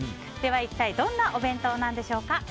では一体どんなお弁当なんでしょうか。